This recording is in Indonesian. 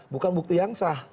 bukan bukti yang sah